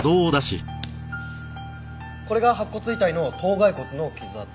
これが白骨遺体の頭蓋骨の傷痕。